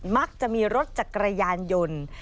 มักจะมีรถจักรยานยนต์